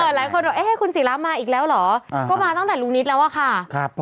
หลายคนบอกเอ๊ะคุณศิรามาอีกแล้วเหรอก็มาตั้งแต่ลุงนิตแล้วอะค่ะ